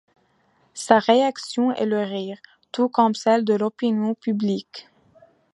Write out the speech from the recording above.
Sa réaction est le rire, tout comme celle de l'opinion publique.